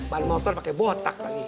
bawa motor pakai botak lagi